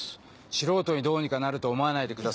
素人にどうにかなると思わないでください。